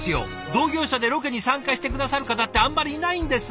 同業者でロケに参加して下さる方ってあんまりいないんです。